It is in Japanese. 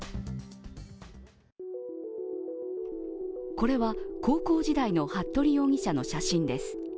これは高校時代の服部容疑者の写真です。